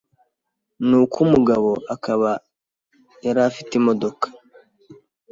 Ni uko umugabo akaba yari afite imodoka